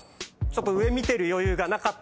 上見てる余裕がなかったですね。